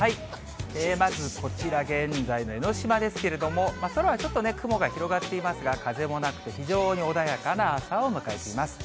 まずこちら、現在の江の島ですけれども、空はちょっとね、雲が広がっていますが、風もなくて、非常に穏やかな朝を迎えています。